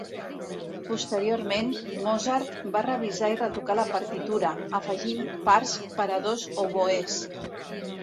Posteriorment, Mozart va revisar i retocar la partitura, afegint parts per a dos oboès.